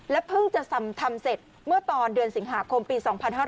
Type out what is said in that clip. เพิ่งจะทำเสร็จเมื่อตอนเดือนสิงหาคมปี๒๕๕๙